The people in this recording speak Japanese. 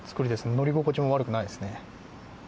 乗り心地も悪くないです。